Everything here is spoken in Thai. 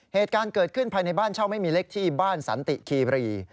เหตุการณ์เกิดขึ้นภายในบ้านเช่าไม่มีเลขที่บ้านสันติคีบรี